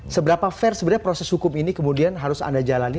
seberapa fair sebenarnya proses hukum ini kemudian harus anda jalani